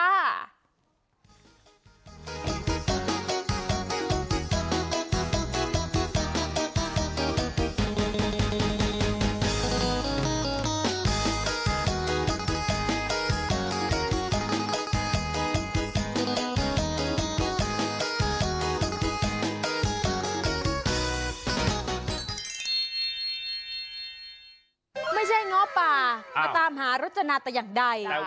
ไม่ใช่ง้อป่ามาตามหารุจนาแต่อย่างใด